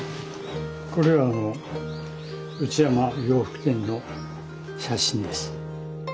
これは内山洋服店の写真です。